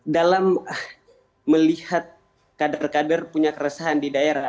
dalam melihat kader kader punya keresahan di daerah